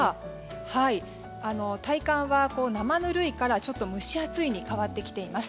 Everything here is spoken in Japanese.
体感は、生ぬるいからちょっと蒸し暑いに変わってきています。